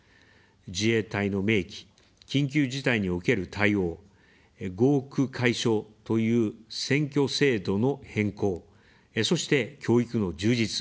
自衛隊の明記、緊急事態における対応、合区解消という選挙制度の変更、そして、教育の充実。